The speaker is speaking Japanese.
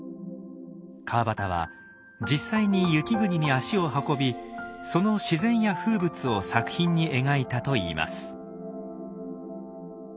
川端は実際に雪国に足を運びその自然や風物を作品に描いたといいます。